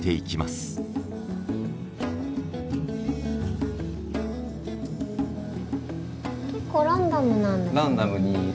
結構ランダムなんですね。